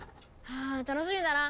あ楽しみだな。